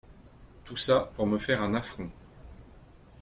Tout ça, pour me faire un affront !